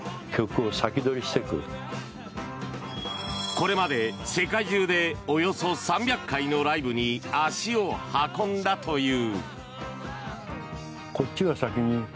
これまで世界中でおよそ３００回のライブに足を運んだという。